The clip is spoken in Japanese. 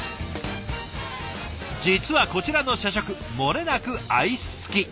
実はこちらの社食もれなくアイス付き。